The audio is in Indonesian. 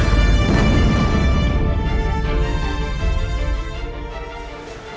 terima kasih banyak